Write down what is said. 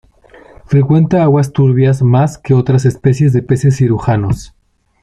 Frecuenta aguas turbias más que otras especies de peces cirujanos.